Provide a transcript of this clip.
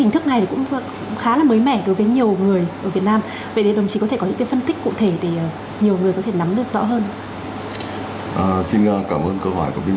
tại vì đi gần